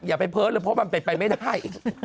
อย่าไปเพอ๊ะแล้วพอมันเม็ดไปไม่ได้